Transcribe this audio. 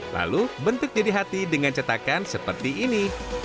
lalu bentuk jadi hati dengan cetakan seperti ini